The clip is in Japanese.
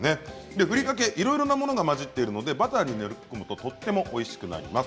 ふりかけはいろんなものが混じっているのでバターに溶け込むとおいしくなります。